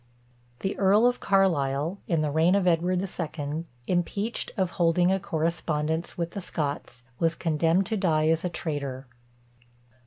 The Earl of Carlisle, in the reign of Edward the Second, impeached of holding a correspondence with the Scots, was condemned to die as a traitor.